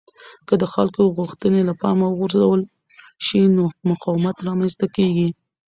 که د خلکو غوښتنې له پامه وغورځول شي نو مقاومت رامنځته کېږي